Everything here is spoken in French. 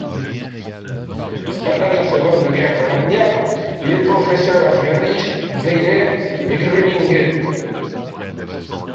Pendant la Seconde Guerre mondiale, il est professeur à Zurich, Meilen et Grüningen.